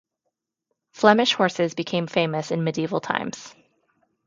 Flemish horses became famous in Mediaeval times.